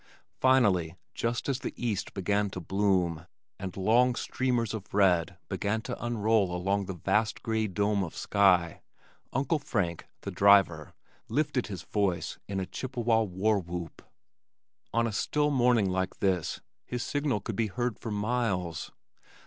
Finally, just as the east began to bloom, and long streamers of red began to unroll along the vast gray dome of sky Uncle Frank, the driver, lifted his voice in a "Chippewa war whoop." On a still morning like this his signal could be heard for miles.